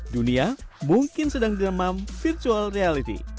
dunia mungkin sedang diremam virtual reality